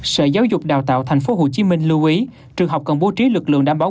sở giáo dục đào tạo tp hcm lưu ý trường học cần bố trí lực lượng đảm bảo